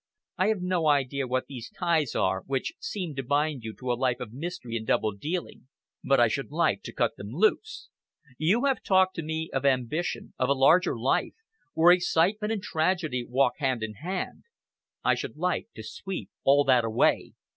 I have no idea what these ties are, which seem to bind you to a life of mystery and double dealing, but I should like to cut them loose. You have talked to me of ambition, of a larger life, where excitement and tragedy walk hand in hand! I should like to sweep all that away.